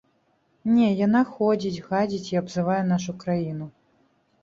Не, яна ходзіць, гадзіць і абзывае нашу краіну.